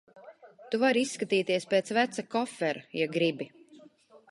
Tu vari izskatīties pēc veca kofera, ja gribi.